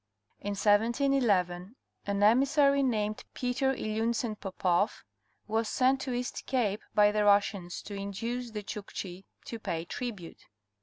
In 1711 an emissary named Peter Iliunsen Popoff was sent to East Cape by the Russians to induce the Chukchi to pay tribute.